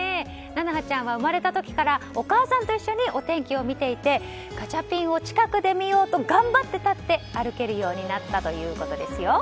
菜乃葉ちゃんは生まれた時からお母さんと一緒にお天気を見ていてガチャピンを近くで見ようと頑張って立って歩けるようになったということですよ。